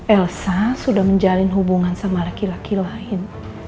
elsa sudah menjalin hubungan sama laki laki lain